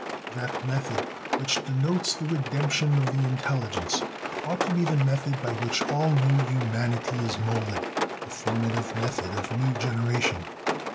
That method which denotes the redemption of the intelligence ought to be the method by which all new humanity is molded the formative method of the new generation.